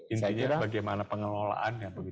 intinya bagaimana pengelolaannya begitu